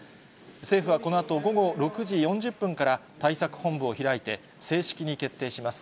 政府はこのあと午後６時４０分から対策本部を開いて、正式に決定します。